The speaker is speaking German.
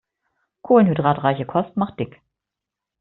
Kohlenhydratreiche Kost macht dick.